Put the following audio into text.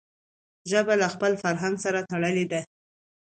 ژبه له خپل فرهنګ سره تړلي ده.